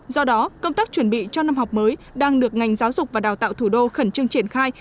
do đó công tác chuẩn bị cho năm học mới đang được ngành giáo dục và đào tạo thủ đô khẩn trương triển khai